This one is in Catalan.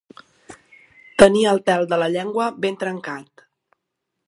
Tenir el tel de la llengua ben trencat.